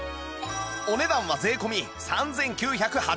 お値段は税込３９８０円